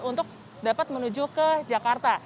untuk dapat menuju ke jakarta